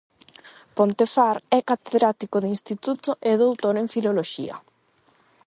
Ponte Far é catedrático de Instituto e doutor en Filoloxía.